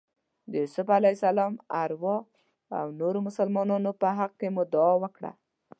د یوسف علیه السلام ارواح او نورو مسلمانانو په حق کې مو دعا وکړه.